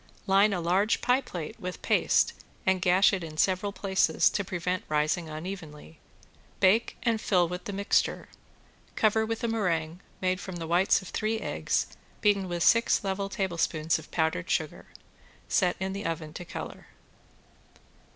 Line a large pie plate with paste and gash it in several places to prevent rising unevenly, bake and fill with the mixture. Cover with a meringue made from the white of three eggs beaten with six level tablespoons of powdered sugar. Set in the oven to color.